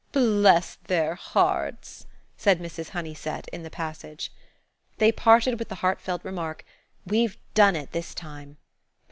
"Bless their hearts," said Mrs. Honeysett, in the passage. They parted with the heartfelt remark, "We've done it this time."